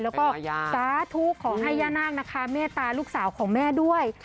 แล้วก็สาธุขอให้ย่านาคนะคะเมตตาลูกสาวของแม่ด้วย